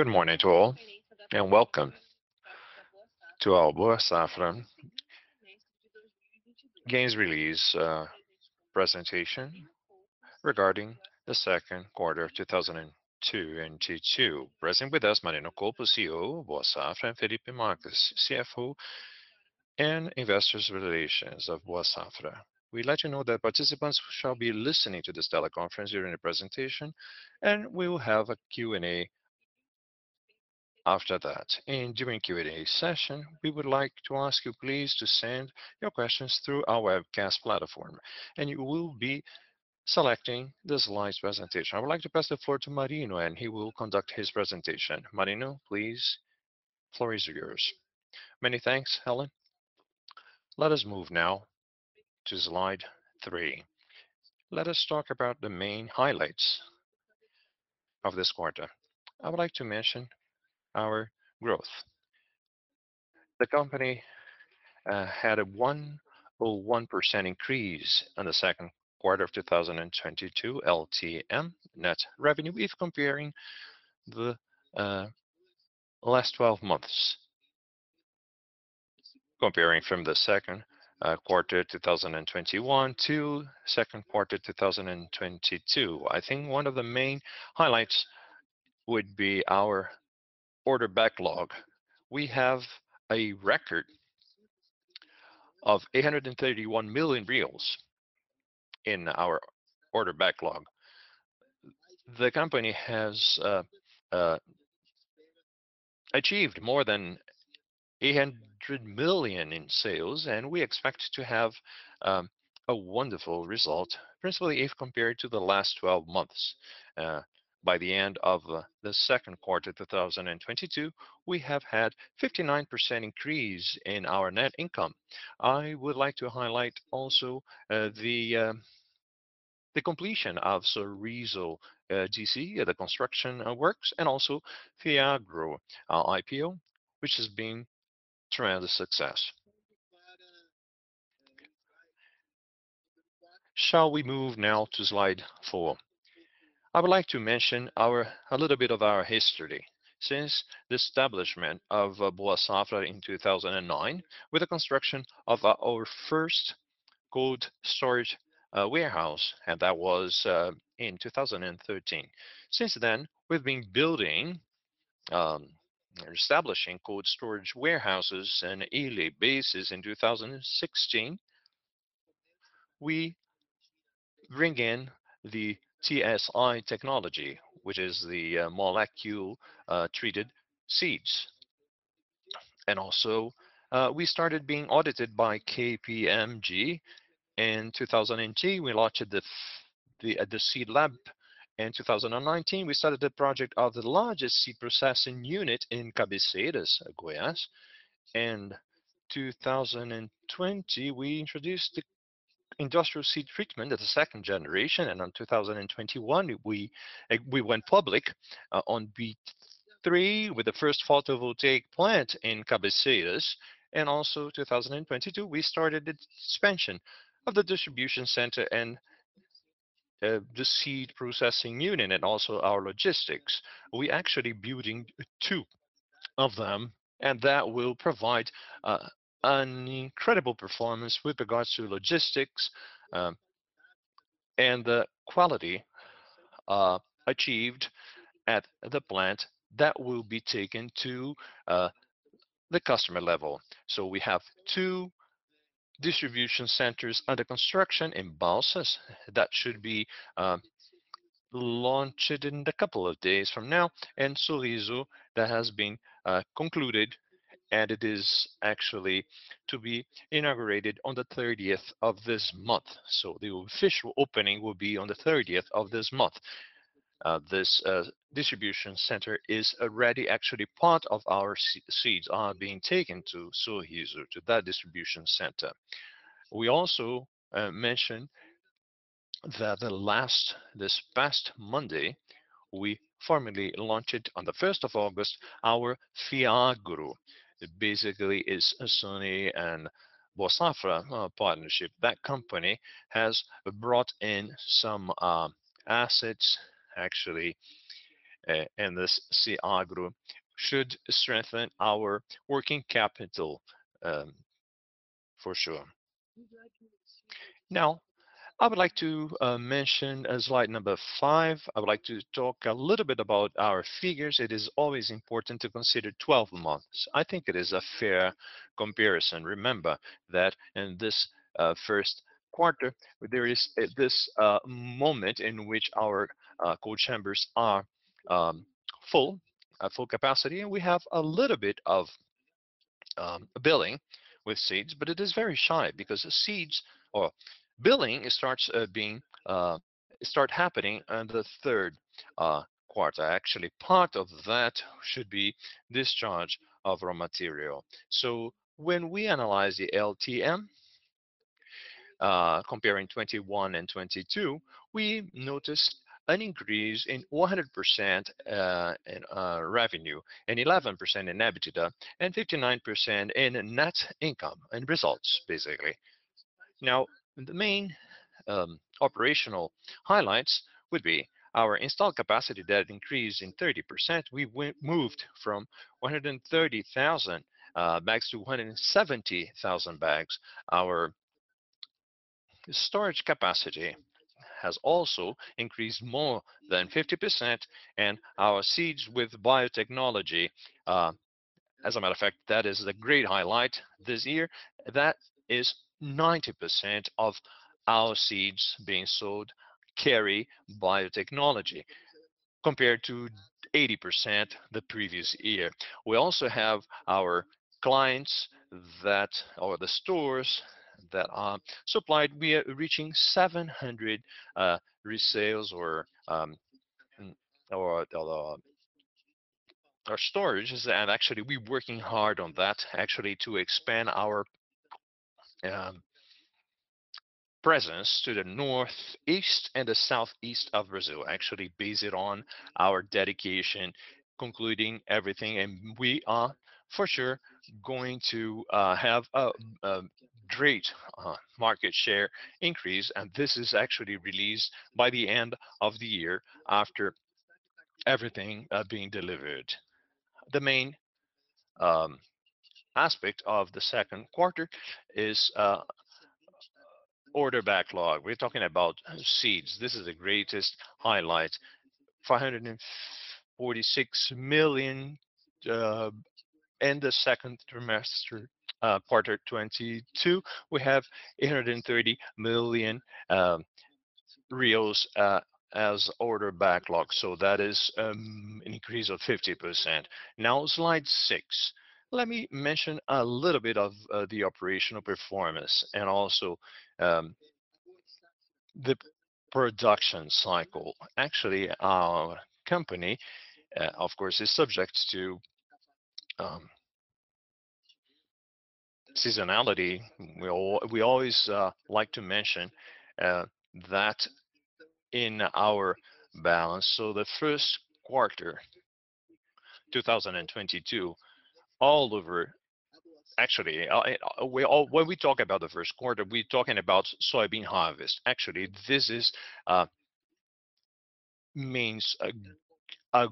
Good morning to all, and welcome to our Boa Safra Earnings Release Presentation regarding the second quarter of 2022 Q2. Presenting with us Marino Colpo, CEO, Boa Safra, and Felipe Marques, CFO and Investor Relations Officer of Boa Safra. We'd like to note that participants shall be listening to this teleconference during the presentation, and we will have a Q&A after that. During Q&A session, we would like to ask you please to send your questions through our webcast platform, and you will be selecting the slides presentation. I would like to pass the floor to Marino, and he will conduct his presentation. Marino, please, floor is yours. Many thanks, Helen. Let us move now to slide three. Let us talk about the main highlights of this quarter. I would like to mention our growth. The company had a 1.1% increase on the second quarter of 2022 LTM net revenue if comparing the last 12 months. Comparing from the second quarter 2021 to second quarter 2022. I think one of the main highlights would be our order backlog. We have a record of 831 million in our order backlog. The company has achieved more than 800 million in sales, and we expect to have a wonderful result, principally if compared to the last 12 months. By the end of the second quarter 2022, we have had 59% increase in our net income. I would like to highlight also the completion of Sorriso DC, the construction works, and also Fiagro IPO, which has been tremendous success. Shall we move now to slide four? I would like to mention a little bit of our history since the establishment of Boa Safra in 2009 with the construction of our first cold storage warehouse, and that was in 2013. Since then, we've been building establishing cold storage warehouses in early bases. In 2016, we bring in the IST technology, which is the molecule treated seeds. We started being audited by KPMG. In 2003, we launched the Seed Lab. In 2019, we started the project of the largest seed processing unit in Cabeceiras, Goiás. In 2020, we introduced the industrial seed treatment as a second generation. In 2021, we went public on B3 with the first photovoltaic plant in Cabeceiras. In 2022, we started the expansion of the distribution center and the seed processing unit and also our logistics. We're actually building two of them, and that will provide an incredible performance with regards to logistics and the quality achieved at the plant that will be taken to the customer level. We have two distribution centers under construction in Balsas that should be launched in a couple of days from now. Sorriso, that has been concluded, and it is actually to be inaugurated on the 30th of this month. The official opening will be on the 30th of this month. This distribution center is already actually part of our seeds are being taken to Sorriso, to that distribution center. We also mention that this past Monday, we formally launched on the first of August our Fiagro. It basically is a Suno and Boa Safra partnership. That company has brought in some assets, actually, and this Fiagro should strengthen our working capital, for sure. Now, I would like to mention slide number five. I would like to talk a little bit about our figures. It is always important to consider 12 months. I think it is a fair comparison. Remember that in this first quarter, there is this moment in which our cold chambers are full, at full capacity, and we have a little bit of billing with seeds. It is very shy because the seeds or billing, it starts happening on the third quarter. Actually, part of that should be discharge of raw material. When we analyze the LTM comparing 2021 and 2022, we noticed an increase in 100% in revenue and 11% in EBITDA and 59% in net income and results, basically. The main operational highlights would be our installed capacity that increased in 30%. We moved from 130,000 bags to 170,000 bags. Our storage capacity has also increased more than 50% and our seeds with biotechnology, as a matter of fact, that is the great highlight this year. That is 90% of our seeds being sold carry biotechnology compared to 80% the previous year. We also have our clients or the stores that are supplied. We are reaching 700 resales or our storages. Actually we're working hard on that actually to expand our presence to the northeast and the southeast of Brazil, actually based on our dedication concluding everything. We are for sure going to have a great market share increase. This is actually released by the end of the year after everything being delivered. The main aspect of the second quarter is order backlog. We're talking about seeds. This is the greatest highlight. 546 million in the second quarter 2022. We have 830 million as order backlog. That is an increase of 50%. Now slide six. Let me mention a little bit of the operational performance and also the production cycle. Actually, our company, of course, is subject to seasonality. We always like to mention that in our balance. The first quarter 2022. When we talk about the first quarter, we're talking about soybean harvest. Actually, this means a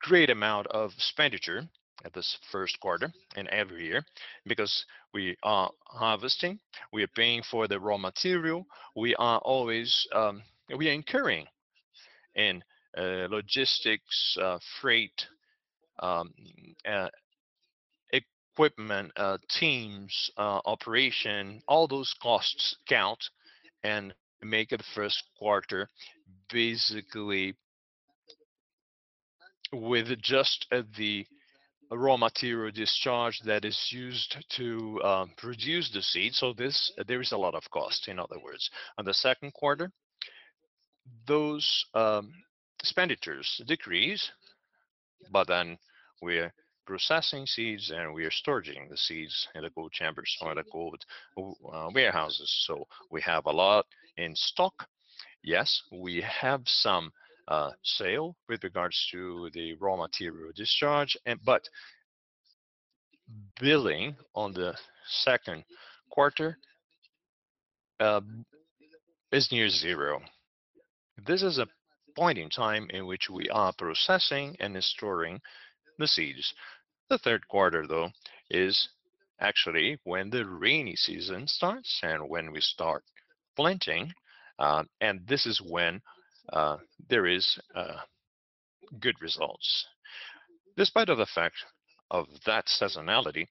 great amount of expenditure at this first quarter and every year because we are harvesting, we are paying for the raw material. We are always incurring in logistics, freight, equipment, teams, operation. All those costs count and make the first quarter basically with just the raw material discharge that is used to produce the seed. In other words, there is a lot of cost. On the second quarter, those expenditures decrease, but then we're processing seeds and we are storing the seeds in the cold chambers or the cold warehouses. We have a lot in stock. Yes, we have some sale with regards to the raw material discharge and but billing on the second quarter is near zero. This is a point in time in which we are processing and storing the seeds. The third quarter, though, is actually when the rainy season starts and when we start planting, and this is when there is good results. Despite of the fact of that seasonality,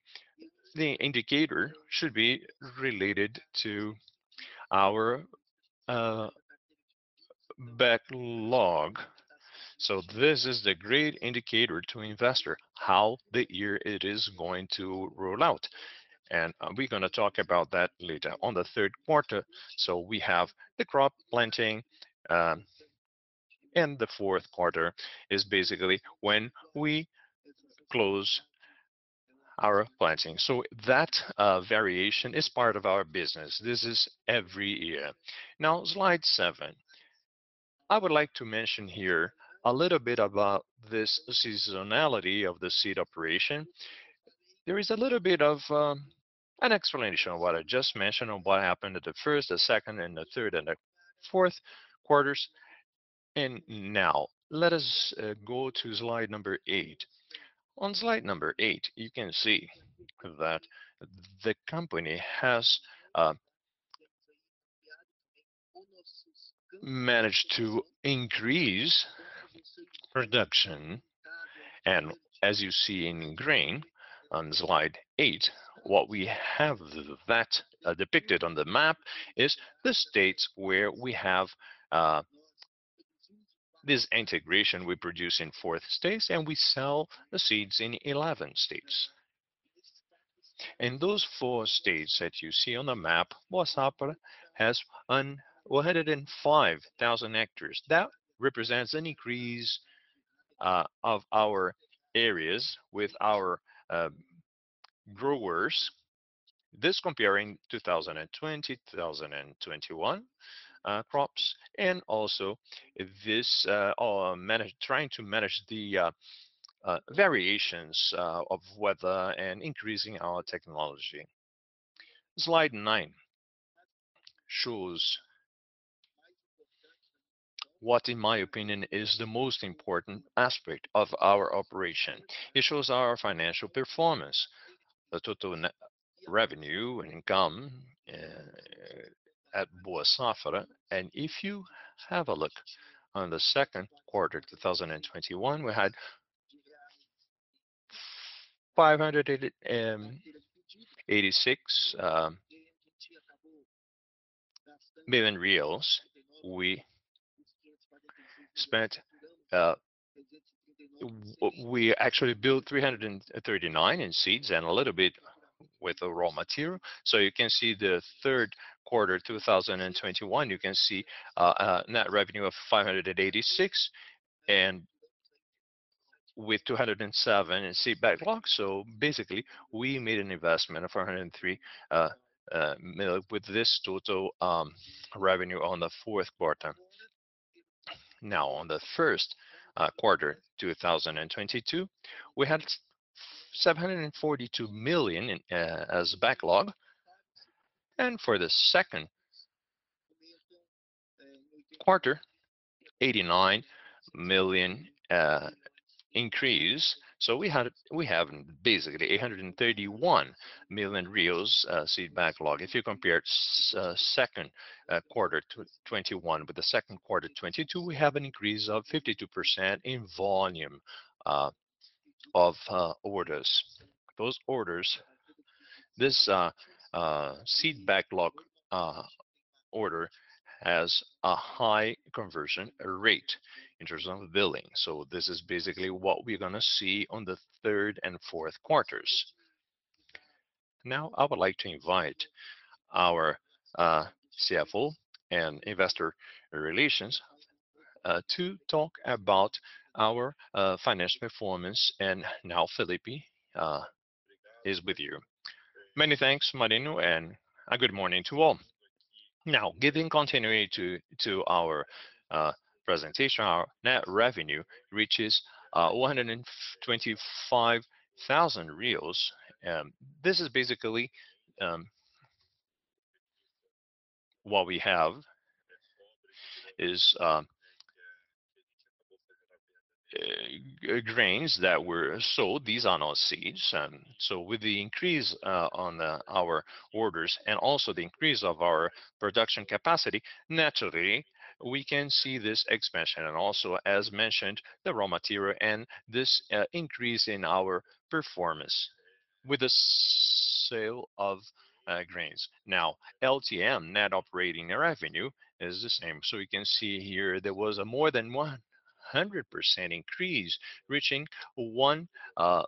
the indicator should be related to our backlog. This is the great indicator to investor how the year it is going to roll out. We're gonna talk about that later. On the third quarter, we have the crop planting, and the fourth quarter is basically when we close our planting. That variation is part of our business. This is every year. Now slide seven. I would like to mention here a little bit about this seasonality of the seed operation. There is a little bit of an explanation of what I just mentioned on what happened at the first, the second, and the third, and the fourth quarters. Now let us go to slide number eight. On slide number eight, you can see that the company has managed to increase production. As you see in green on slide eight, what we have that depicted on the map is the states where we have this integration we produce in four states and we sell the seeds in 11 states. In those four states that you see on the map, Macapá has a 105,000 hectares. That represents an increase of our areas with our growers. This comparing 2020, 2021 crops. Trying to manage the variations of weather and increasing our technology. Slide nine shows what, in my opinion, is the most important aspect of our operation. It shows our financial performance, the total net revenue, income at Boa Safra. If you have a look on the second quarter of 2021, we had 586 million reais. We actually had 339 million in seeds and a little bit with the raw material. You can see the third quarter 2021. You can see a net revenue of 586 million and 207 million in seed backlog. Basically, we made an investment of 403 million with this total revenue in the fourth quarter. Now, on the first quarter 2022, we had 742 million in seed backlog. For the second quarter, 89 million increase. We have basically 831 million seed backlog. If you compare second quarter 2021 with the second quarter 2022, we have an increase of 52% in volume of orders. Those orders, this seed backlog order has a high conversion rate in terms of billing. This is basically what we're gonna see on the third and fourth quarters. I would like to invite our CFO and Investor Relations to talk about our financial performance. Felipe is with you. Many thanks, Marino, and a good morning to all. Giving continuity to our presentation, our net revenue reaches 125,000 reais. This is basically what we have is grains that were sowed. These are not seeds. With the increase on our orders and also the increase of our production capacity, naturally, we can see this expansion and also as mentioned, the raw material and this increase in our performance with the sale of grains. LTM net operating revenue is the same. We can see here there was a more than 100% increase reaching 1.19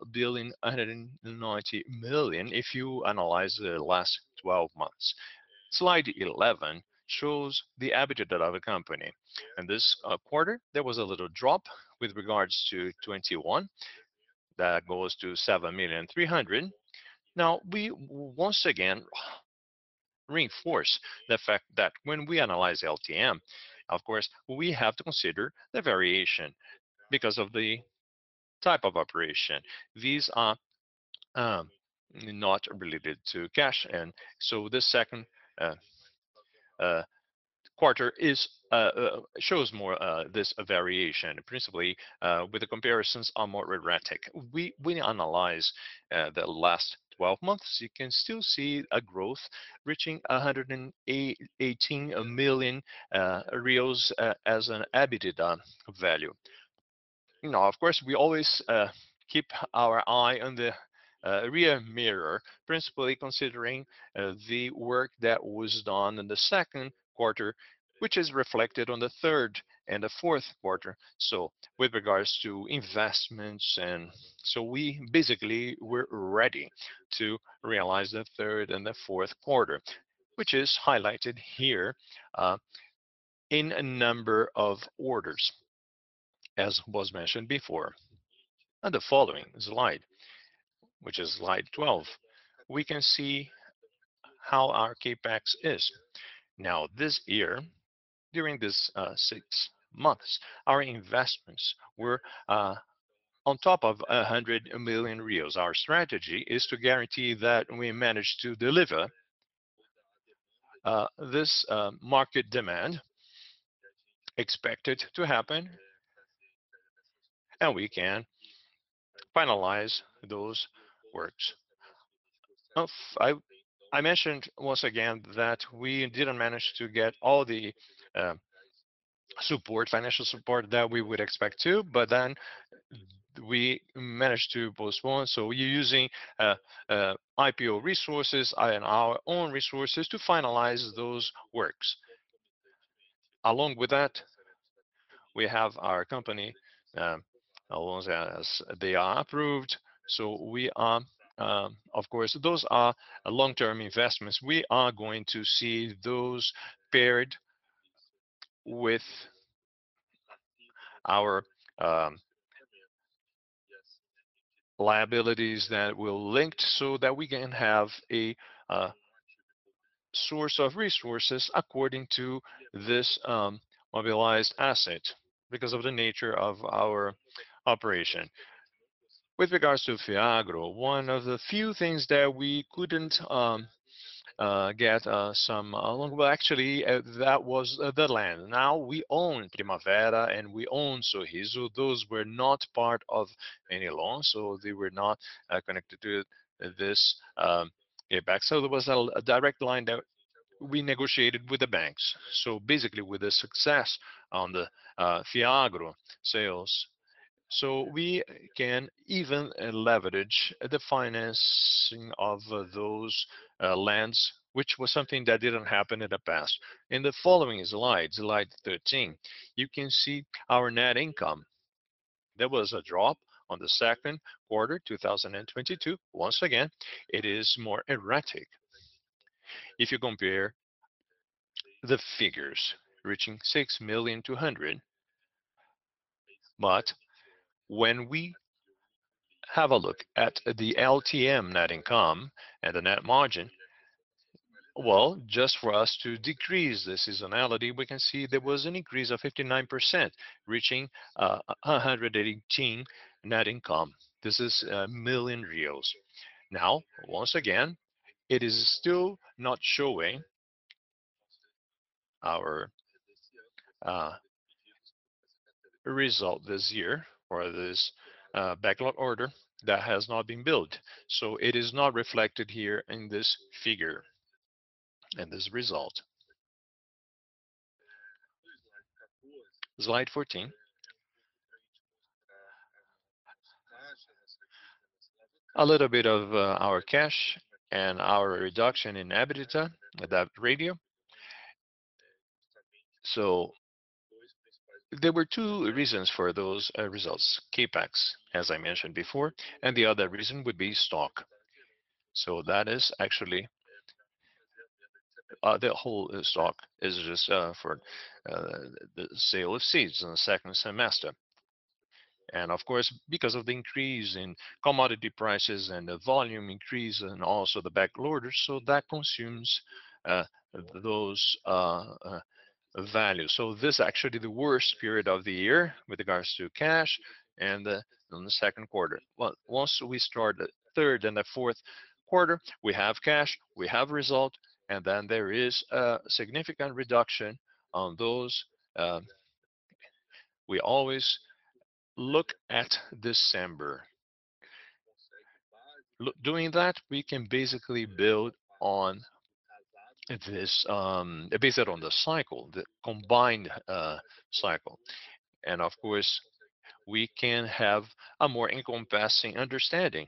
billion if you analyze the last 12 months. Slide 11 shows the EBITDA of the company. In this quarter, there was a little drop with regards to 2021 that goes to 7.3 million. Now, we once again reinforce the fact that when we analyze LTM, of course, we have to consider the variation because of the type of operation. These are not related to cash. This second quarter shows more this variation principally with the comparisons are more erratic. We analyze the last 12 months. You can still see a growth reaching 118 million reals as an EBITDA value. You know, of course, we always keep our eye on the rearview mirror, principally considering the work that was done in the second quarter, which is reflected on the third and the fourth quarter, so with regards to investments. We basically were ready to realize the third and the fourth quarter, which is highlighted here in a number of orders as was mentioned before. The following slide, which is slide 12, we can see how our CapEx is. Now this year, during this six months, our investments were on top of 100 million. Our strategy is to guarantee that we manage to deliver this market demand expected to happen, and we can finalize those works. Now, I mentioned once again that we didn't manage to get all the support, financial support that we would expect to, but then we managed to postpone. We're using IPO resources and our own resources to finalize those works. Along with that, we have our company loans as they are approved. We are, of course, those are long-term investments. We are going to see those paired with our liabilities that will link so that we can have a source of resources according to this mobilized asset because of the nature of our operation. With regards to Fiagro, one of the few things that we couldn't get. Well, actually, that was the land. Now we own Primavera and we own Sorriso. Those were not part of any loan, so they were not connected to this EBITDA. There was a direct line that we negotiated with the banks. Basically with the success on the Fiagro sales. We can even leverage the financing of those lands, which was something that didn't happen in the past. In the following slide 13, you can see our net income. There was a drop in the second quarter, 2022. Once again, it is more erratic. If you compare the figures reaching 6.2 million. When we have a look at the LTM net income and the net margin, just for us to decrease the seasonality, we can see there was an increase of 59%, reaching 118 million net income. This is million reals. Now, once again, it is still not showing our result this year or this backlog order that has not been built, so it is not reflected here in this figure and this result. Slide 14. A little bit of our cash and our reduction in EBITDA, that ratio. There were two reasons for those results. CapEx, as I mentioned before, and the other reason would be stock. That is actually the whole stock is just for the sale of seeds in the second semester. Of course, because of the increase in commodity prices and the volume increase and also the back orders, so that consumes those values. This actually the worst period of the year with regards to cash and on the second quarter. Once we start the third and the fourth quarter, we have cash, we have result, and then there is a significant reduction on those. We always look at December. By doing that we can basically build on this, based on the cycle, the combined cycle. Of course, we can have a more encompassing understanding,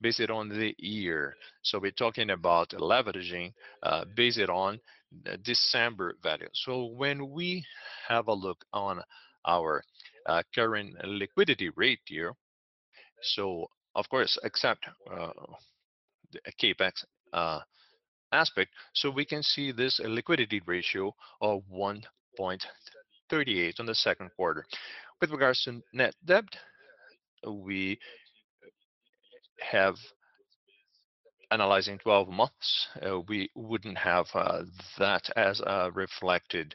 based on the year. We're talking about leveraging, based on December value. When we have a look on our current liquidity rate here, of course, except the CapEx aspect, so we can see this liquidity ratio of 1.38 on the second quarter. With regards to net debt, we have analyzing 12 months, we wouldn't have that as reflected,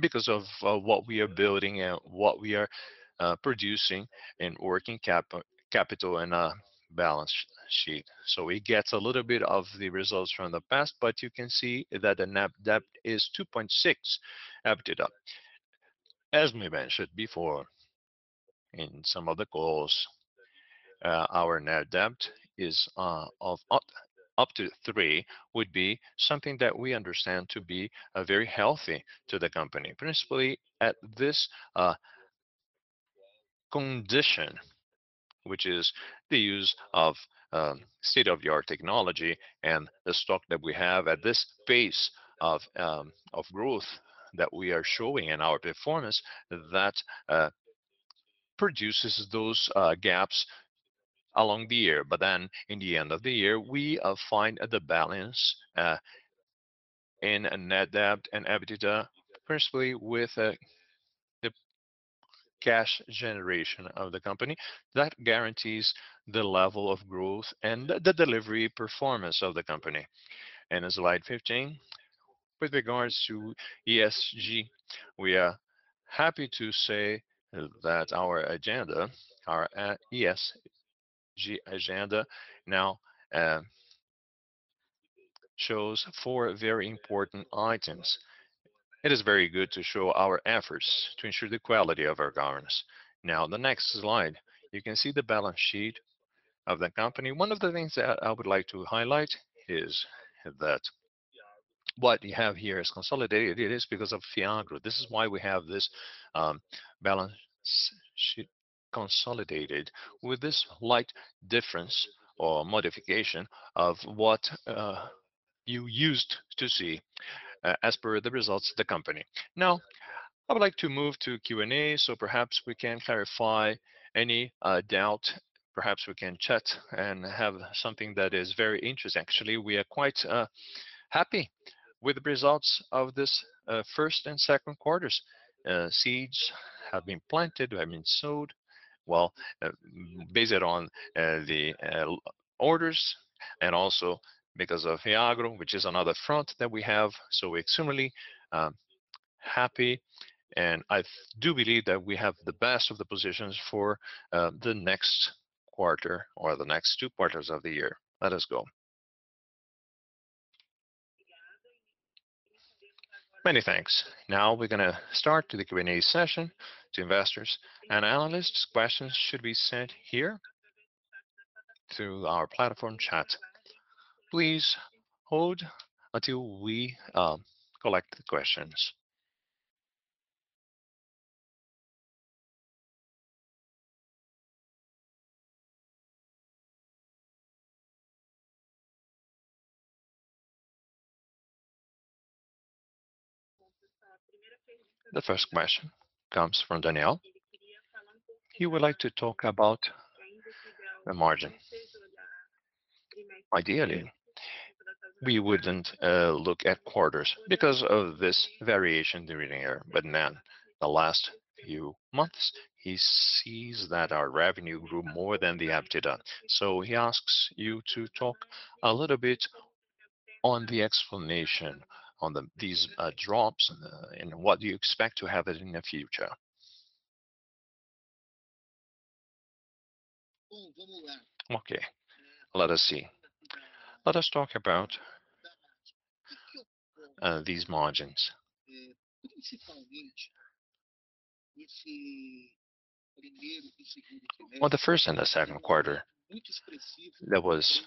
because of what we are building and what we are producing in working capital and balance sheet. It gets a little bit of the results from the past, but you can see that the net debt is 2.6 EBITDA. As we mentioned before in some of the calls, our net debt is of up to three would be something that we understand to be very healthy to the company. Principally at this condition, which is the use of state-of-the-art technology and the stock that we have at this phase of growth that we are showing in our performance that produces those gaps along the year. In the end of the year, we find the balance in net debt and EBITDA, principally with the cash generation of the company that guarantees the level of growth and the delivery performance of the company. In slide 15, with regards to ESG, we are happy to say that our agenda, our ESG agenda now, shows four very important items. It is very good to show our efforts to ensure the quality of our governance. Now in the next slide, you can see the balance sheet of the company. One of the things that I would like to highlight is that what you have here is consolidated. It is because of Fiagro. This is why we have this balance sheet consolidated with this slight difference or modification of what you used to see as per the results of the company. Now, I would like to move to Q&A, so perhaps we can clarify any doubt. Perhaps we can chat and have something that is very interesting. Actually, we are quite happy with the results of this first and second quarters. Seeds have been planted, have been sowed. Well, based on the orders and also because of Fiagro, which is another front that we have. We're extremely happy, and I do believe that we have the best of the positions for the next quarter or the next two quarters of the year. Let us go. Many thanks. Now we're gonna start the Q&A session for investors and analysts. Questions should be sent here through our platform chat. Please hold until we collect the questions. The first question comes from Daniel. He would like to talk about the margin. Ideally, we wouldn't look at quarters because of this variation during the year. The last few months, he sees that our revenue grew more than the EBITDA. He asks you to talk a little bit on the explanation on these drops and what do you expect to happen in the future. Okay. Let us see. Let us talk about these margins. On the first and the second quarter, there was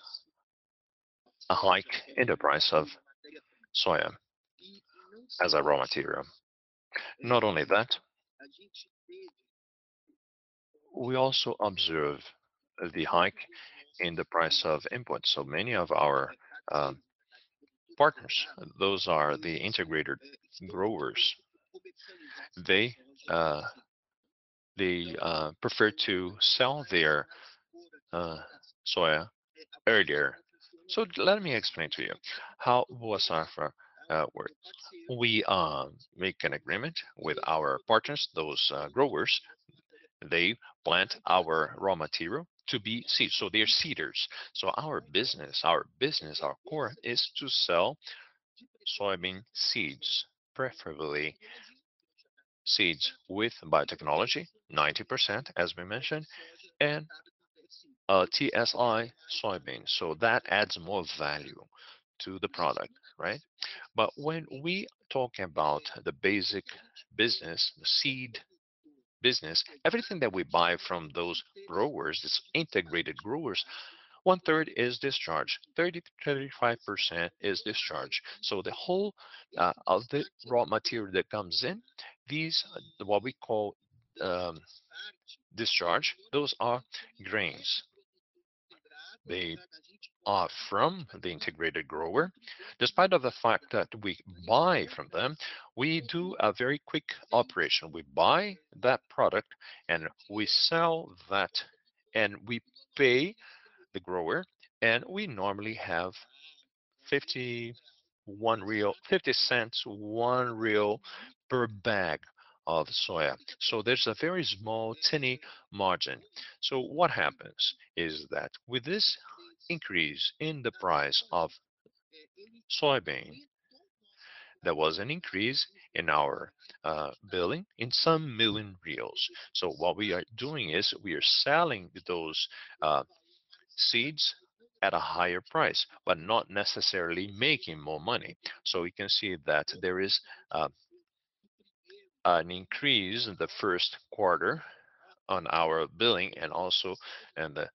a hike in the price of soybean as a raw material. Not only that, we also observe the hike in the price of inputs. Many of our partners, those are the integrator growers, they prefer to sell their soybean earlier. Let me explain to you how the arrangement works. We make an agreement with our partners, those growers. They plant our raw material to be seeds. They're seeders. Our business, our core is to sell soybean seeds, preferably seeds with biotechnology, 90%, as we mentioned, and IST soybeans. That adds more value to the product, right? When we talk about the basic business, the seed business, everything that we buy from those growers, these integrated growers, one-third is discharge. 30%-35% is discharge. The whole of the raw material that comes in, these, what we call, discharge, those are grains. They are from the integrated grower. Despite the fact that we buy from them, we do a very quick operation. We buy that product, and we sell that, and we pay the grower, and we normally have 0.50-1 real per bag of soy. There's a very small, tiny margin. What happens is that with this increase in the price of soybean, there was an increase in our billing in some million BRL. What we are doing is we are selling those seeds at a higher price, but not necessarily making more money. We can see that there is an increase in the first quarter on our billing and also in the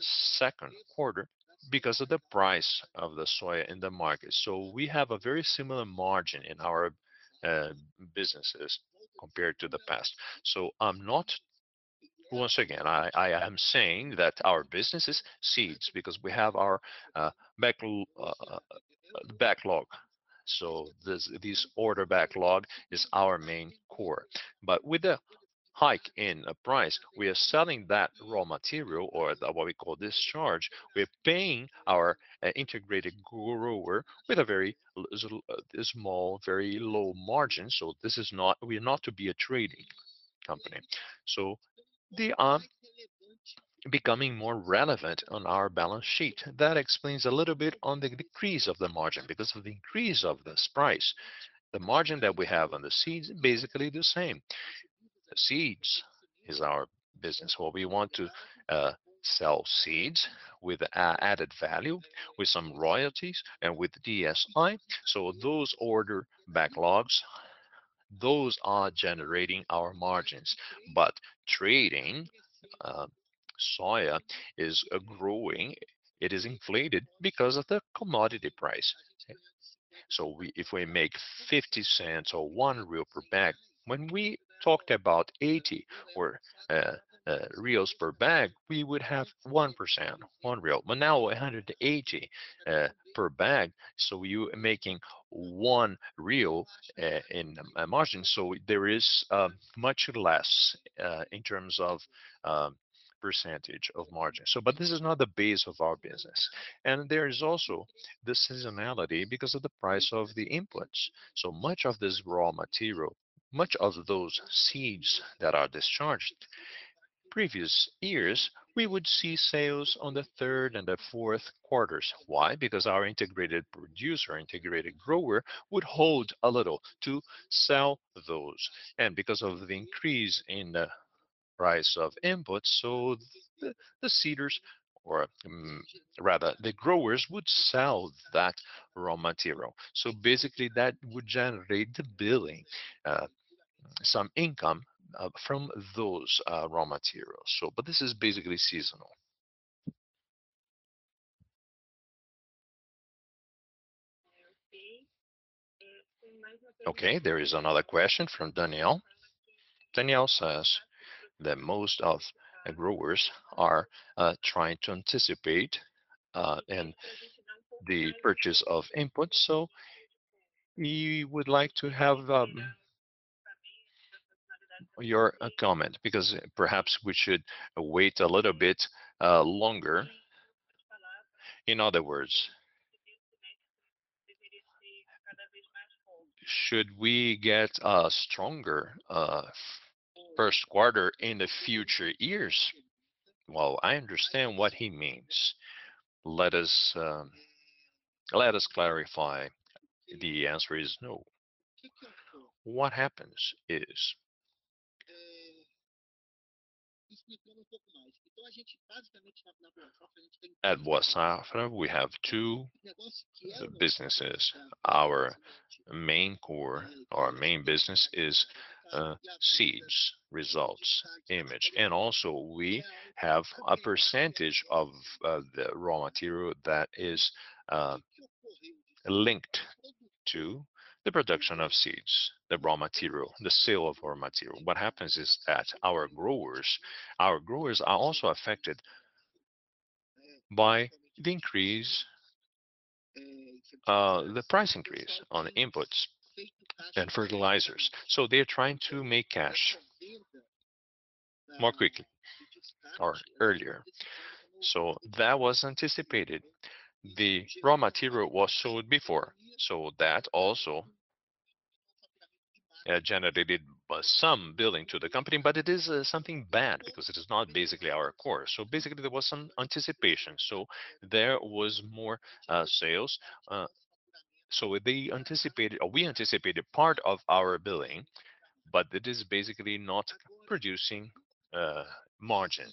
second quarter because of the price of the soybean in the market. We have a very similar margin in our businesses compared to the past. Once again, I am saying that our business is seeds because we have our backlog. This order backlog is our main core. With the hike in price, we are selling that raw material or what we call discharge. We're paying our integrated grower with a very small, very low margin. We're not to be a trading company. They are becoming more relevant on our balance sheet. That explains a little bit on the decrease of the margin. Because of the increase of this price, the margin that we have on the seeds, basically the same. Seeds is our business. What we want to sell seeds with added value, with some royalties and with IST. Those order backlogs are generating our margins. Trading soya is growing. It is inflated because of the commodity price. If we make 0.50 or 1 real per bag, when we talked about 80 or BRL 90 reals per bag, we would have 1%, 1 real. Now 180 per bag, so you're making 1 in margin. There is much less in terms of percentage of margin. This is not the base of our business. There is also the seasonality because of the price of the inputs. Much of this raw material. Much of those seeds that are discharged. Previous years, we would see sales in the third and fourth quarters. Why? Because our integrated producer, integrated grower would hold a little to sell those. Because of the increase in the price of inputs, the seeders or rather the growers would sell that raw material. Basically, that would generate the billing, some income from those raw materials. This is basically seasonal. Okay, there is another question from Daniel. Daniel says that most of the growers are trying to anticipate in the purchase of inputs. We would like to have your comment because perhaps we should wait a little bit longer. In other words, should we get a stronger first quarter in the future years? Well, I understand what he means. Let us clarify. The answer is no. What happens is at Boa Safra, we have two businesses. Our main core, our main business is seeds business. We have a percentage of the raw material that is linked to the production of seeds, the raw material, the sale of raw material. What happens is that our growers are also affected by the increase, the price increase on inputs and fertilizers. They're trying to make cash more quickly or earlier. That was anticipated. The raw material was sold before. That also generated some billing to the company, but it is something bad because it is not basically our core. Basically, there was some anticipation. There was more sales. They anticipated or we anticipated part of our billing, but it is basically not producing margin.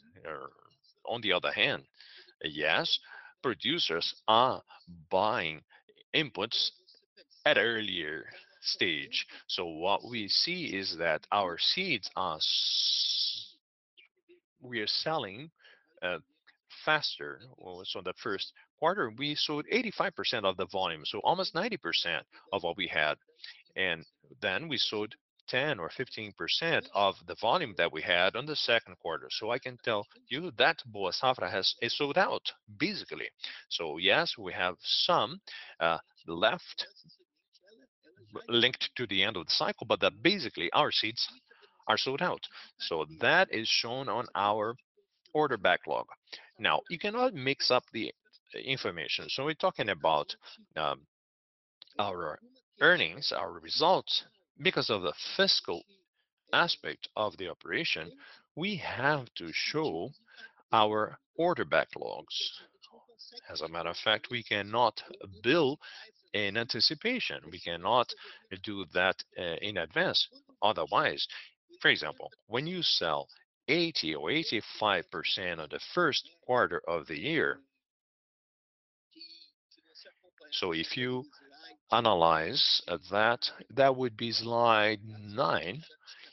On the other hand, yes, producers are buying inputs at earlier stage. What we see is that our seeds are selling faster. In the first quarter, we sold 85% of the volume, so almost 90% of what we had. Then we sold 10% or 15% of the volume that we had on the second quarter. I can tell you that Boa Safra is sold out, basically. Yes, we have some left linked to the end of the cycle, but basically our seeds are sold out. That is shown on our order backlog. Now, you cannot mix up the information. We're talking about our earnings, our results. Because of the fiscal aspect of the operation, we have to show our order backlogs. As a matter of fact, we cannot bill in anticipation. We cannot do that in advance. Otherwise, for example, when you sell 80% or 85% of the first quarter of the year. If you analyze that would be slide nine.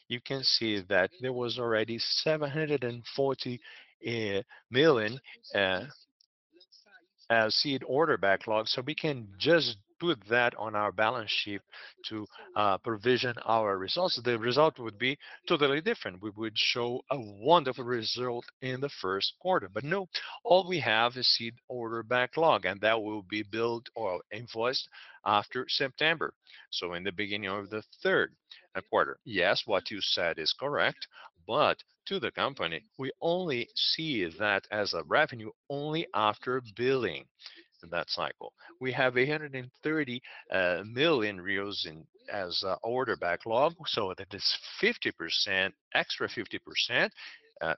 You can see that there was already 740 million seed order backlog. We can just put that on our balance sheet to provision our results. The result would be totally different. We would show a wonderful result in the first quarter. No, all we have is seed order backlog, and that will be billed or invoiced after September. In the beginning of the third quarter. Yes, what you said is correct, but to the company, we only see that as a revenue only after billing in that cycle. We have 130 million in our order backlog. That is 50%, extra 50%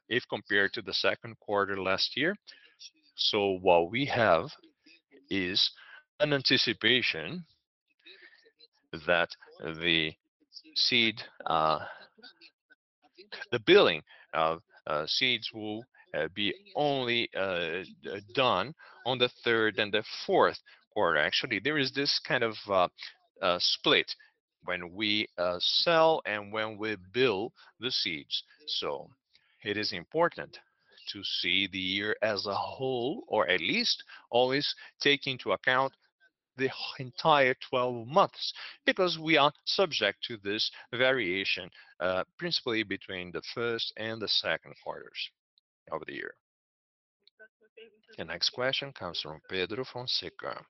if compared to the second quarter last year. What we have is an anticipation that the billing of seeds will be only done on the third and the fourth quarter. Actually, there is this kind of split when we sell and when we bill the seeds. It is important to see the year as a whole or at least always take into account the entire 12 months because we are subject to this variation, principally between the first and the second quarters of the year. The next question comes from Pedro Fonseca.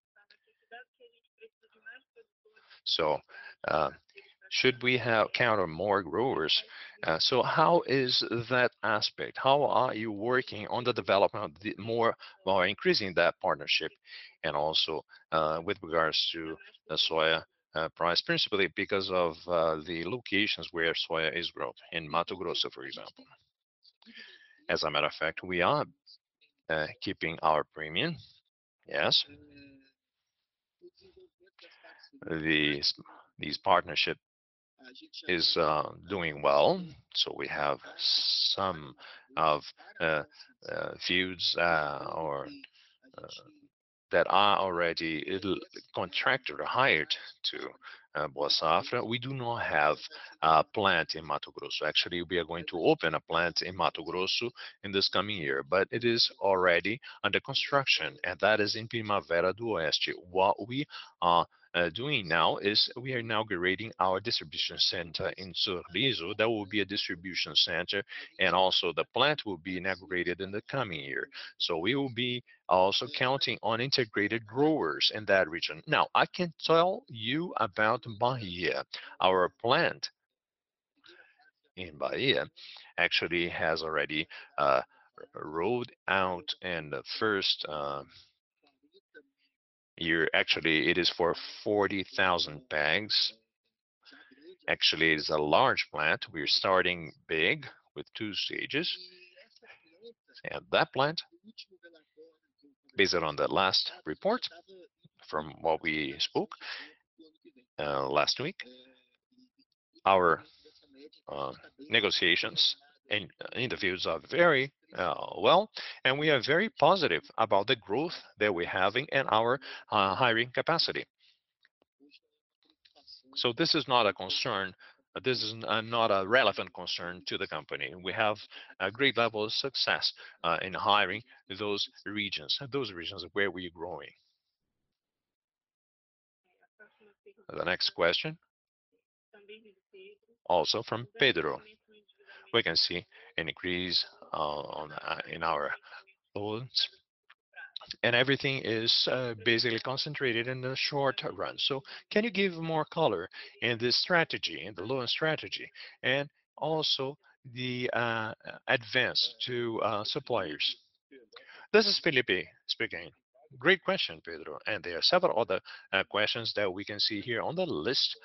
Should we count on more growers? How is that aspect? How are you working on the development the more or increasing that partnership and also, with regards to the soy price, principally because of the locations where soy is grown, in Mato Grosso, for example? As a matter of fact, we are keeping our premium. Yes. This partnership is doing well, so we have some fields or that are already contracted or hired to Boa Safra. We do not have a plant in Mato Grosso. Actually, we are going to open a plant in Mato Grosso in this coming year, but it is already under construction, and that is in Primavera do Leste. What we are doing now is we are inaugurating our distribution center in Sorriso. That will be a distribution center, and also the plant will be inaugurated in the coming year. We will be also counting on integrated growers in that region. Now, I can tell you about Bahia. Our plant in Bahia actually has already rolled out and the first year. Actually it is for 40,000 bags. Actually, it is a large plant. We are starting big with two stages. That plant, based on the last report from what we spoke last week, our negotiations and interviews are very well, and we are very positive about the growth that we're having and our hiring capacity. This is not a concern. This is not a relevant concern to the company. We have a great level of success in hiring those regions where we're growing. The next question also from Pedro. We can see an increase in our loans, and everything is basically concentrated in the short run. Can you give more color in this strategy, in the loan strategy, and also the advance to suppliers? This is Felipe speaking. Great question, Pedro. There are several other questions that we can see here on the list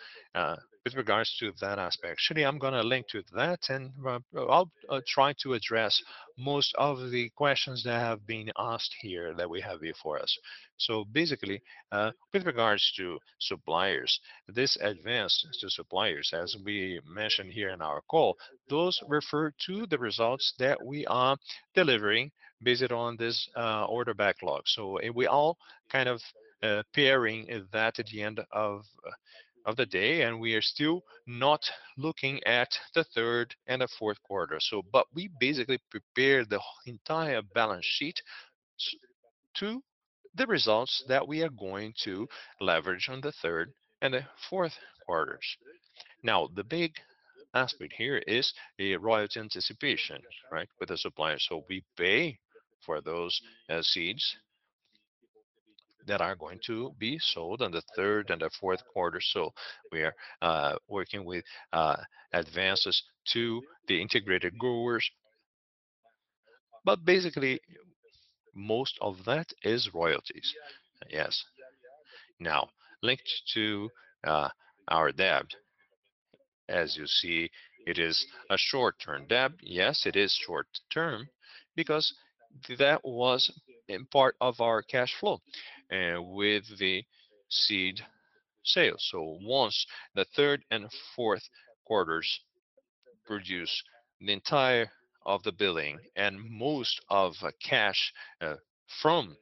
with regards to that aspect. Actually, I'm gonna link to that and I'll try to address most of the questions that have been asked here that we have here for us. Basically, with regards to suppliers, this advance to suppliers, as we mentioned here in our call, those refer to the results that we are delivering based on this order backlog. We all kind of preparing that at the end of the day, and we are still not looking at the third and the fourth quarter. But we basically prepared the entire balance sheet to the results that we are going to leverage on the third and the fourth quarters. Now, the big aspect here is a royalty anticipation, right, with the supplier. We pay for those seeds that are going to be sold on the third and the fourth quarter. We are working with advances to the integrated growers. Basically, most of that is royalties. Yes. Now, linked to our debt, as you see, it is a short-term debt. Yes, it is short-term because that was in part of our cash flow with the seed sale. Once the third and fourth quarters produce the entire of the billing and most of the cash from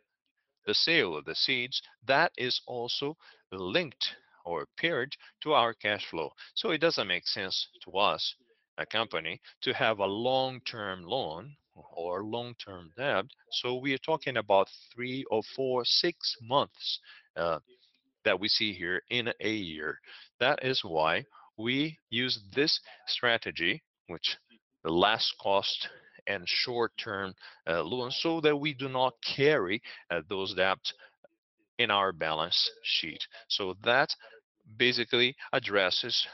the sale of the seeds, that is also linked or paired to our cash flow. It doesn't make sense to us, a company, to have a long-term loan or long-term debt. We are talking about three or four, six months that we see here in a year. That is why we use this strategy, which the less cost and short-term loan, so that we do not carry those debt in our balance sheet. That basically addresses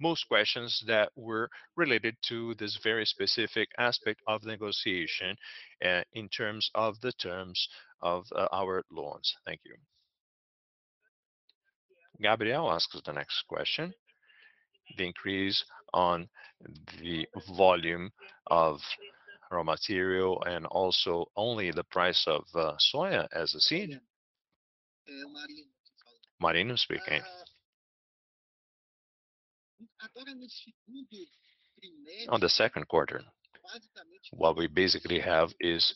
most questions that were related to this very specific aspect of negotiation, in terms of the terms of our loans. Thank you. Gabriel asks the next question. The increase in the volume of raw material and also only the price of soybean seed. Marino speaking. In the second quarter, what we basically have is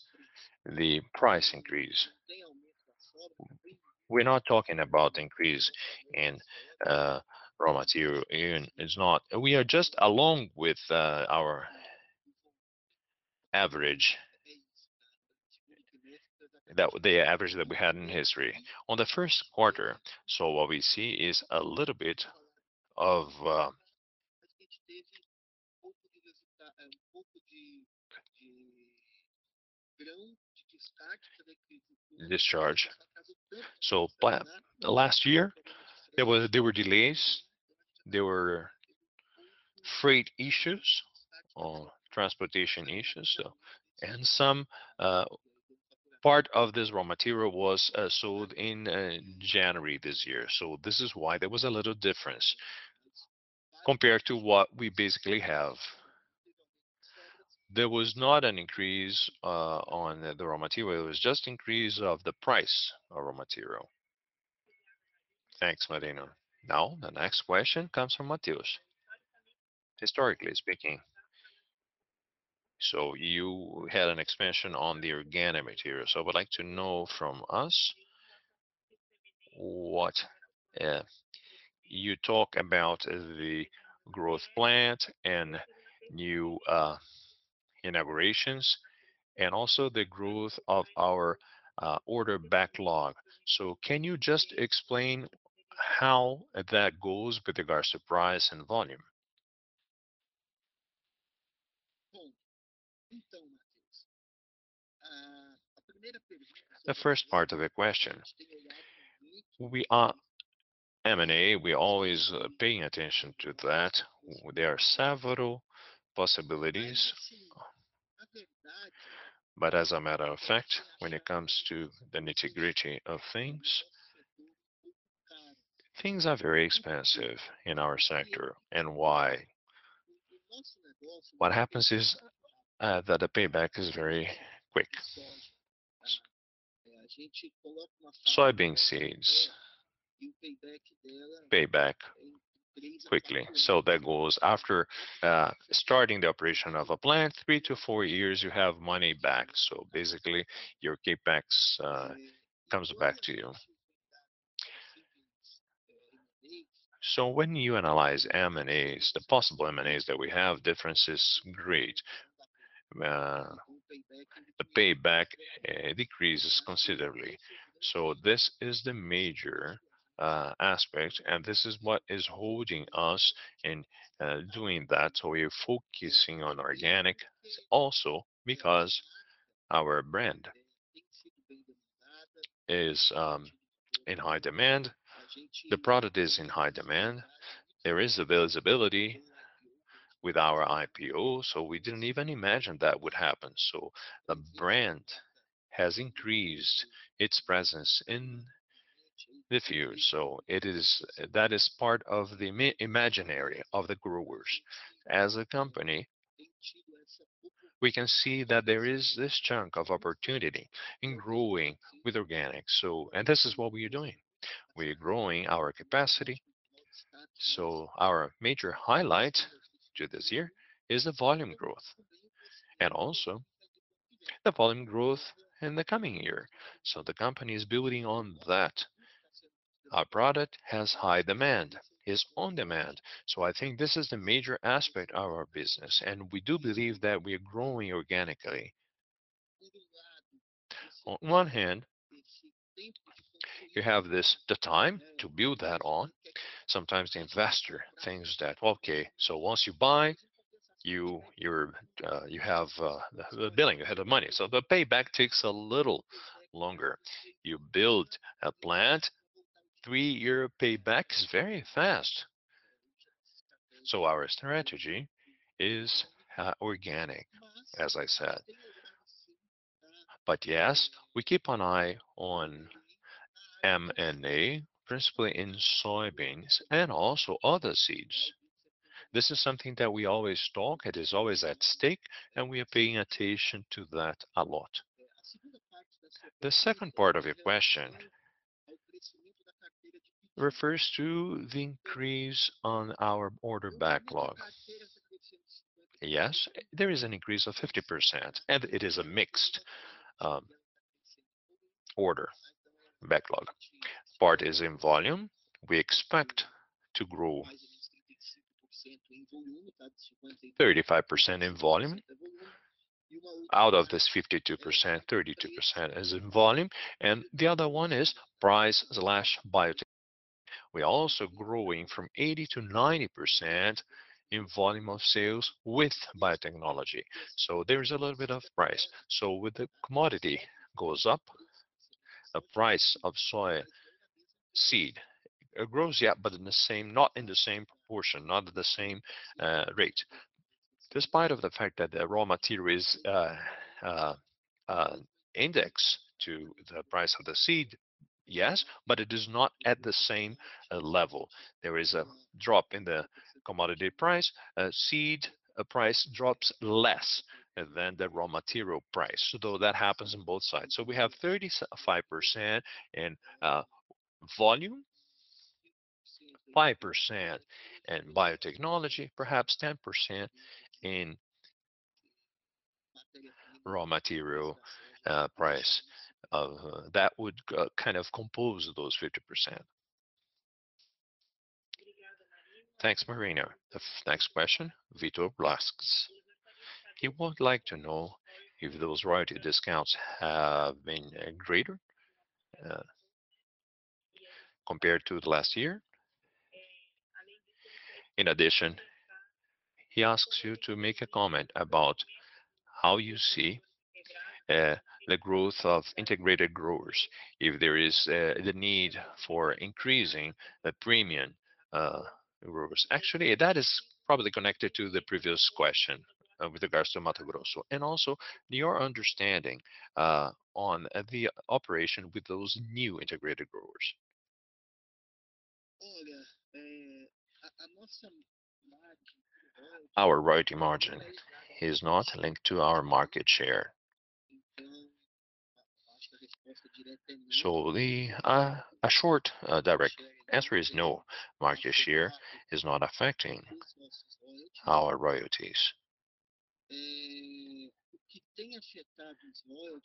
the price increase. We're not talking about increase in raw material. It's not. We are just in line with our average, that is the average that we had in history. In the first quarter, what we see is a little bit of discharge. Last year, there were delays, there were freight issues or transportation issues, and some part of this raw material was sold in January this year. This is why there was a little difference compared to what we basically have. There was not an increase on the raw material. It was just increase of the price of raw material. Thanks, Marino. Now, the next question comes from Matheus. Historically speaking, you had an expansion on the organic material. Would like to know from you what you talk about the growth plan and new inaugurations and also the growth of our order backlog. Can you just explain how that goes with regards to price and volume? The first part of your question, we are M&A, we always paying attention to that. There are several possibilities. As a matter of fact, when it comes to the nitty-gritty of things are very expensive in our sector and why. What happens is that the payback is very quick. Soybean seeds pay back quickly. That goes after starting the operation of a plant, three to four years, you have money back. Basically your CapEx comes back to you. When you analyze M&As, the possible M&As that we have, difference is great. The payback decreases considerably. This is the major aspect, and this is what is holding us in doing that. We're focusing on organic also because our brand is in high demand. The product is in high demand. There is availability with our IPO, so we didn't even imagine that would happen. The brand has increased its presence in the field. It is that is part of the imaginary of the growers. As a company, we can see that there is this chunk of opportunity in growing with organic. This is what we are doing. We are growing our capacity. Our major highlight to this year is the volume growth and also the volume growth in the coming year. The company is building on that. Our product has high demand, it's in demand. I think this is the major aspect of our business, and we do believe that we are growing organically. On one hand, you have this, the time to build that on. Sometimes the investor thinks that, okay, once you buy, you have the building ahead of money. The payback takes a little longer. You build a plant, three-year payback is very fast. Our strategy is organic, as I said. Yes, we keep an eye on M&A, principally in soybeans and also other seeds. This is something that we always talk. It is always at stake, and we are paying attention to that a lot. The second part of your question refers to the increase on our order backlog. Yes, there is an increase of 50%, and it is a mixed order backlog. Part is in volume. We expect to grow 35% in volume. Out of this 52%, 32% is in volume, and the other one is price/biotechnology. We are also growing from 80%-90% in volume of sales with biotechnology. There is a little bit of price. With the commodity goes up, the price of soy seed grows, but not in the same proportion, not at the same rate. Despite the fact that the raw material is indexed to the price of the seed, yes, but it is not at the same level. There is a drop in the commodity price. A seed price drops less than the raw material price, though that happens on both sides. We have 35% in volume, 5% in biotechnology, perhaps 10% in raw material price. That would kind of compose those 50%. Thanks, Marino. The next question, Victor Blasck. He would like to know if those royalty discounts have been greater compared to last year. In addition, he asks you to make a comment about how you see the growth of integrated growers, if there is the need for increasing the premium growers. Actually, that is probably connected to the previous question with regards to Mato Grosso. Also your understanding on the operation with those new integrated growers. Our royalty margin is not linked to our market share. A short, direct answer is no, market share is not affecting our royalties.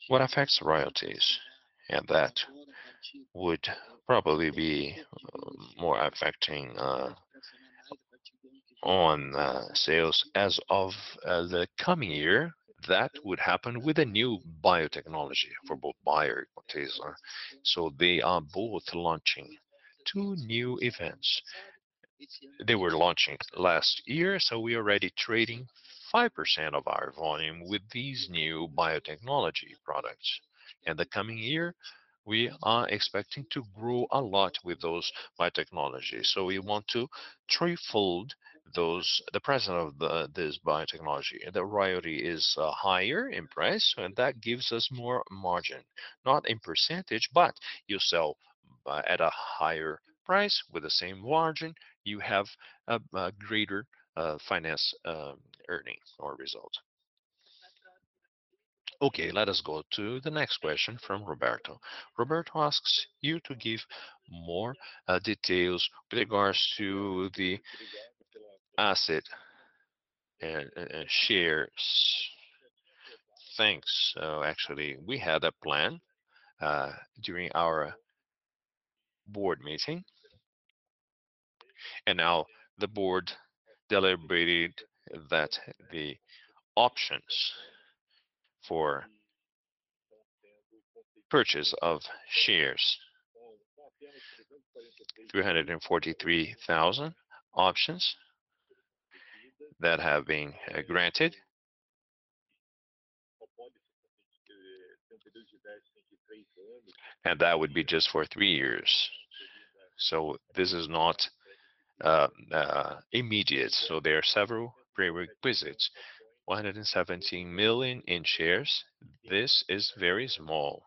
What affects royalties and that would probably be more affecting on sales as of the coming year, that would happen with a new biotechnology for both Bayer and Corteva. They are both launching two new events. They were launching last year, so we're already trading 5% of our volume with these new biotechnology products. In the coming year, we are expecting to grow a lot with those biotechnologies. We want to threefold the presence of this biotechnology. The royalty is higher in price, and that gives us more margin. Not in percentage, but you sell at a higher price with the same margin, you have a greater financial earnings or result. Okay, let us go to the next question from Roberto. Roberto asks you to give more details with regards to the asset and shares. Thanks. Actually, we had a plan during our board meeting. Now the board deliberated that the options for purchase of shares, 343,000 options that have been granted. That would be just for three years. This is not immediate. There are several prerequisites. 117 million in shares. This is very small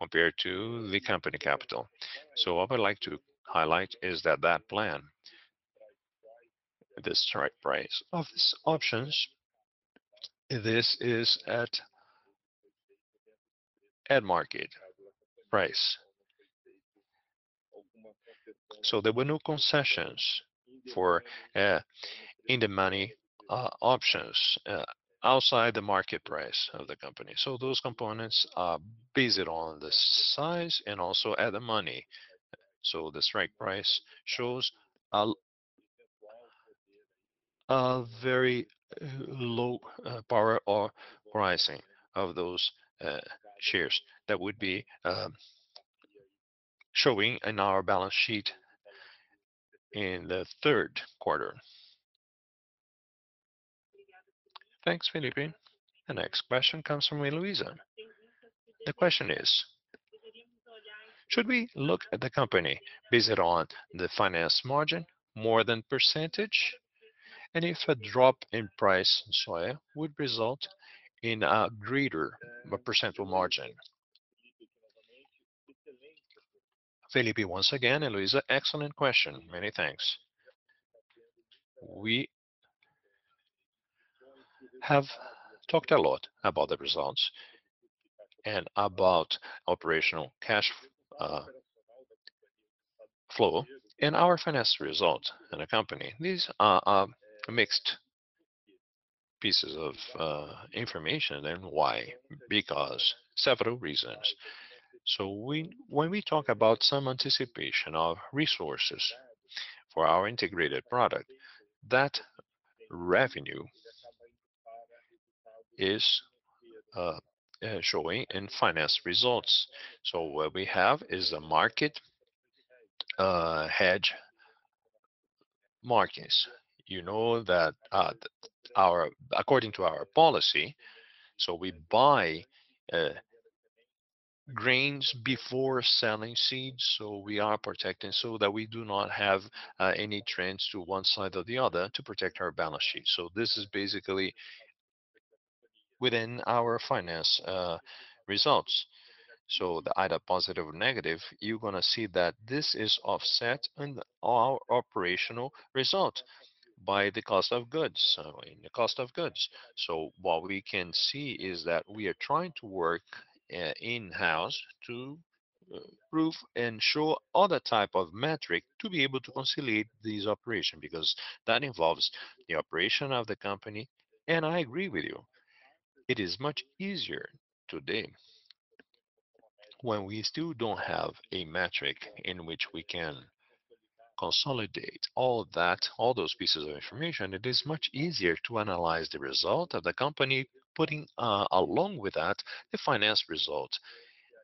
compared to the company capital. What I would like to highlight is that that plan, the strike price of these options, this is at market price. There were no concessions for in the money options outside the market price of the company. Those components are based on the size and also at the money. The strike price shows a very low power or pricing of those shares that would be showing in our balance sheet in the third quarter. Thanks, Felipe. The next question comes from Heloisa. The question is, should we look at the company based on the finance margin more than percentage? If a drop in price in soy would result in a greater percental margin. Felipe, once again, Heloisa, excellent question. Many thanks. We have talked a lot about the results and about operational cash flow and our financial results in the company. These are mixed pieces of information. Why? Because several reasons. When we talk about some anticipation of resources for our integrated product, that revenue is showing in financial results. What we have is a market hedges. You know that, according to our policy, so we buy grains before selling seeds, so we are protecting so that we do not have any trends to one side or the other to protect our balance sheet. This is basically within our financial results. Either positive or negative, you're gonna see that this is offset in our operational result by the cost of goods. What we can see is that we are trying to work in-house to prove and show other type of metric to be able to reconcile this operation because that involves the operation of the company. I agree with you. It is much easier today when we still don't have a metric in which we can consolidate all that, all those pieces of information. It is much easier to analyze the result of the company putting along with that the finance result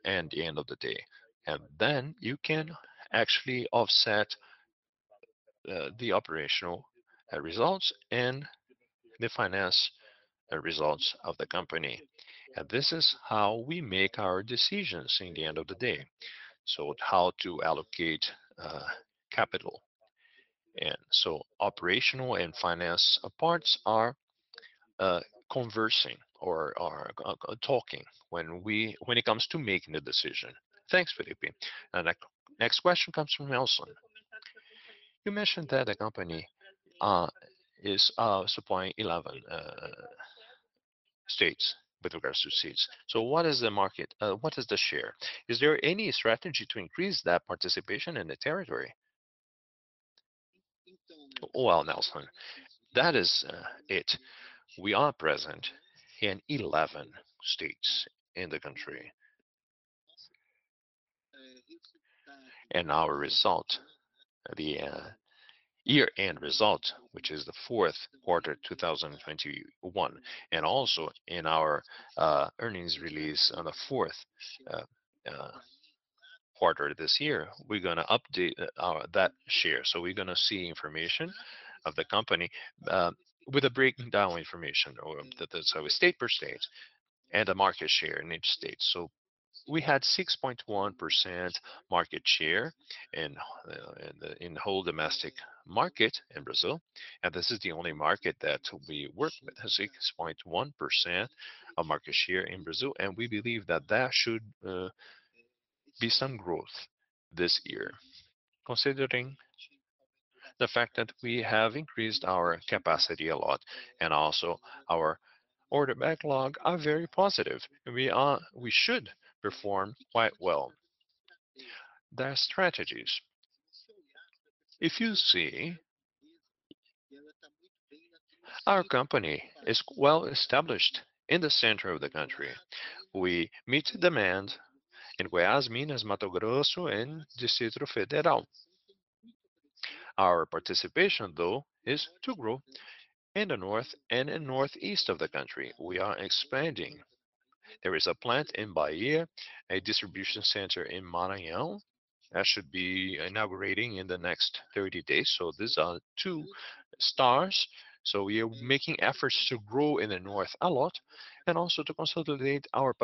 at the end of the day. Then you can actually offset the operational results and the finance results of the company. This is how we make our decisions in the end of the day. How to allocate capital. Operational and finance parts are conversing or talking when it comes to making a decision. Thanks, Felipe. The next question comes from Nelson. You mentioned that the company is supplying 11 states with regards to seeds. What is the share? Is there any strategy to increase that participation in the territory? Well, Nelson, that is it. We are present in 11 states in the country. Our result, the year-end result, which is the fourth quarter 2021, and also in our earnings release on the fourth quarter this year, we're gonna update that share. We're gonna see information of the company with a breakdown of information, that is, state per state and a market share in each state. We had 6.1% market share in the whole domestic market in Brazil. This is the only market that we work with. 6.1% of market share in Brazil, and we believe that that should be some growth this year, considering the fact that we have increased our capacity a lot and also our order backlog are very positive, and we should perform quite well. There are strategies. If you see, our company is well established in the center of the country. We meet demand in Goiás, Minas, Mato Grosso, and Distrito Federal. Our participation, though, is to grow in the north and in northeast of the country. We are expanding. There is a plant in Bahia, a distribution center in Maranhão that should be inaugurating in the next 30 days. These are two states. We are making efforts to grow in the north a lot and also to consolidate our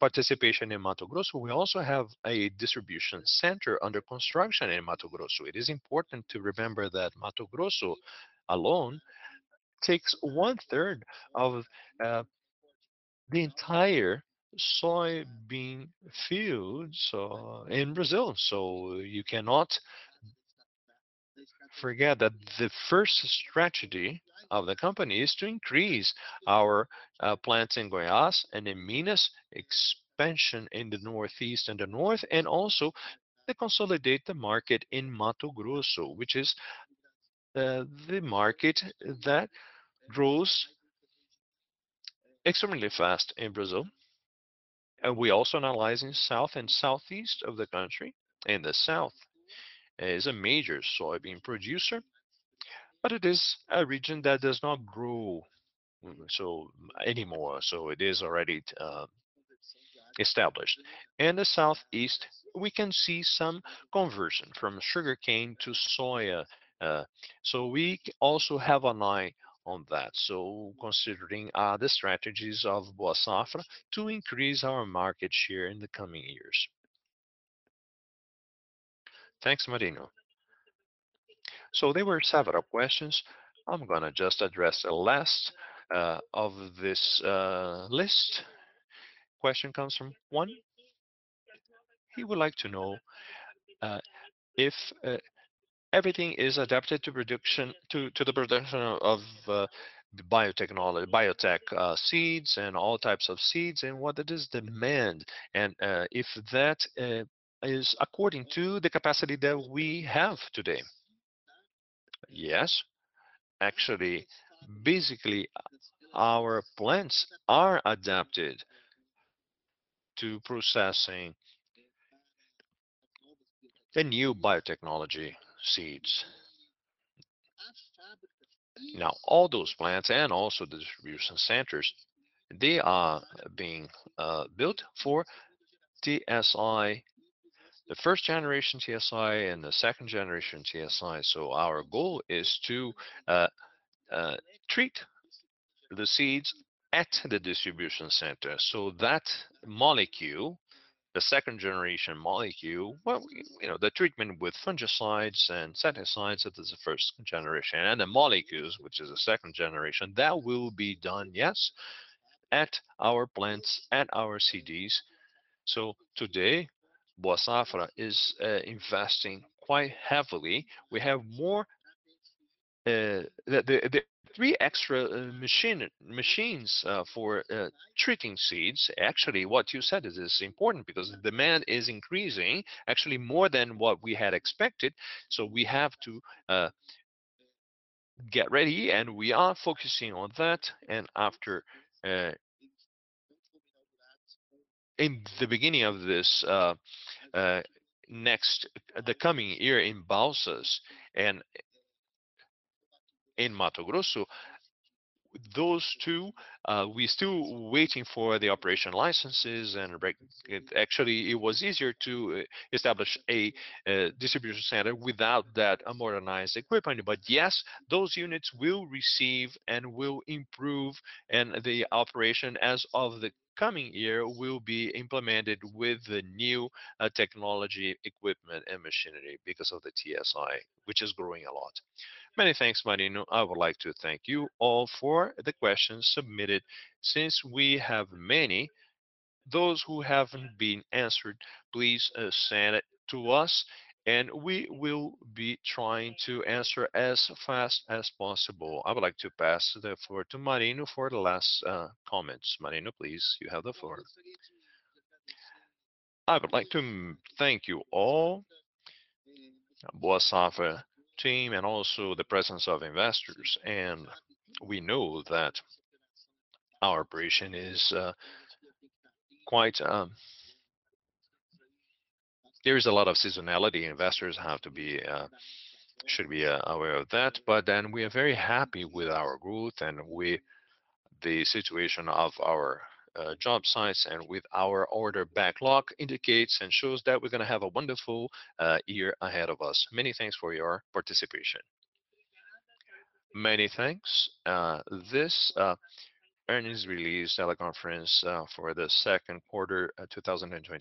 participation in Mato Grosso. We also have a distribution center under construction in Mato Grosso. It is important to remember that Mato Grosso alone takes one-third of the entire soybean fields in Brazil. You cannot forget that the first strategy of the company is to increase our plants in Goiás and in Minas, expansion in the northeast and the north, and also to consolidate the market in Mato Grosso, which is the market that grows extremely fast in Brazil. We also analyzing south and southeast of the country. In the south is a major soybean producer, but it is a region that does not grow so anymore. It is already established. In the southeast, we can see some conversion from sugarcane to soya, so we also have an eye on that. Considering the strategies of Boa Safra to increase our market share in the coming years. Thanks, Marino. There were several questions. I'm gonna just address the last of this list. Question comes from João. He would like to know if everything is adapted to the production of biotech seeds and all types of seeds and what the demand is and if that is according to the capacity that we have today. Yes. Actually, basically, our plants are adapted to processing the new biotechnology seeds. Now, all those plants and also the distribution centers, they are being built for IST. The first generation IST and the second generation IST. Our goal is to treat the seeds at the distribution center. That molecule, the second generation molecule, well, you know, the treatment with fungicides and insecticides, that is the first generation. The molecules, which is the second generation, that will be done, yes, at our plants, at our CDs. Today, Boa Safra is investing quite heavily. We have more, the three extra machines for treating seeds. Actually, what you said is important because demand is increasing actually more than what we had expected, so we have to get ready, and we are focusing on that. After, in the beginning of this, the coming year in Balsas and in Mato Grosso, those two, we're still waiting for the operation licenses. Actually, it was easier to establish a distribution center without that modernized equipment. Yes, those units will receive and will improve, and the operation as of the coming year will be implemented with the new technology equipment and machinery because of the IST, which is growing a lot. Many thanks, Marino. I would like to thank you all for the questions submitted. Since we have many, those who haven't been answered, please send it to us, and we will be trying to answer as fast as possible. I would like to pass the floor to Marino for the last comments. Marino, please, you have the floor. I would like to thank you all, Boa Safra team, and also the presence of investors. We know that our operation is quite. There is a lot of seasonality. Investors should be aware of that. We are very happy with our growth and with the situation of our job sites and with our order backlog indicates and shows that we're gonna have a wonderful year ahead of us. Many thanks for your participation. Many thanks. This earnings release teleconference for the second quarter 2022.